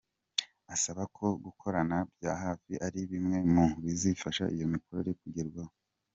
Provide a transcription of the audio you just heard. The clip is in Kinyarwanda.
Asaba ko gukorana bya hafi ari bimwe mu bizafasha iyo mikorere kugerwaho.